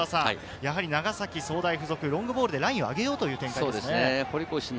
長崎総大附属、ロングボールでラインを上げようというところですね。